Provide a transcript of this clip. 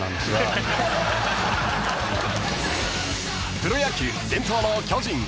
［プロ野球伝統の巨人阪神戦］